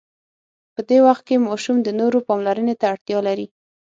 په دې وخت کې ماشوم د نورو پاملرنې ته اړتیا لري.